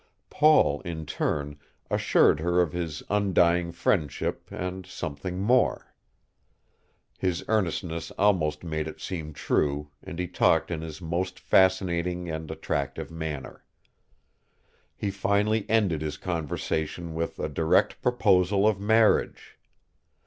Paul, in turn, assured her of his undying friendship and something more. His earnestness almost made it seem true, and he talked in his most fascinating and attractive manner. He finally ended his conversation with a direct proposal of marriage.